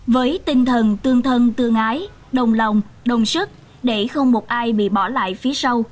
với tinh thần tương thân tương ái đồng lòng đồng sức để không một ai bị bỏ lại phía sau